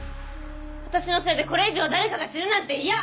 私のせいでこれ以上誰かが死ぬなんてイヤ！